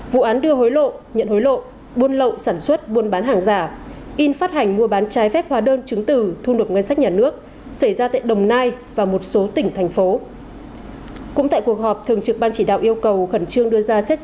vụ án đưa hối lộ nhận hối lộ buôn lậu sản xuất buôn bán hàng giả in phát hành mua bán trái phép hóa đơn chứng từ thu nộp ngân sách nhà nước xảy ra tại đồng nai và một số tỉnh thành phố